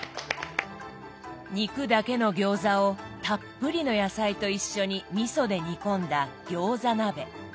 肉だけの餃子をたっぷりの野菜と一緒にみそで煮込んだ餃子鍋。